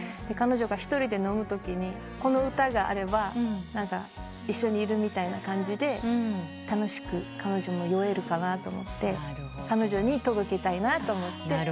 彼女が一人で飲むときにこの歌があれば一緒にいるみたいな感じで楽しく彼女も酔えるかなと思って彼女に届けたいなと思って。